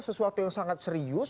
sesuatu yang sangat serius